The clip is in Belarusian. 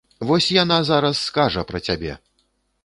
Вось яна зараз скажа пра цябе!